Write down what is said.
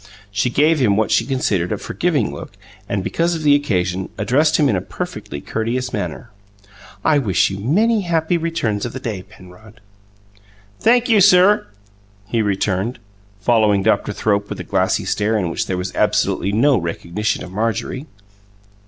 She gave him what she considered a forgiving look, and, because of the occasion, addressed him in a perfectly courteous manner. "I wish you many happy returns of the day, Penrod." "Thank you, sir!" he returned, following Dr. Thrope with a glassy stare in which there was absolutely no recognition of Marjorie.